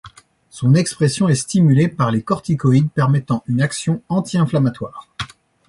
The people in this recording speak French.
Son expression est stimulée par les corticoïdes permettant une action anti-inflammatoire.